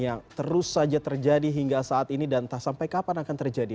yang terus saja terjadi hingga saat ini dan entah sampai kapan akan terjadi